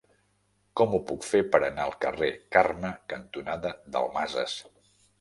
Com ho puc fer per anar al carrer Carme cantonada Dalmases?